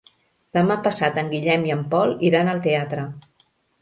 Demà passat en Guillem i en Pol iran al teatre.